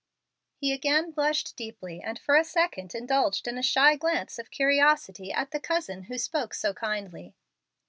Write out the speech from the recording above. He again blushed deeply and for a second indulged in a shy glance of curiosity at the "cousin" who spoke so kindly.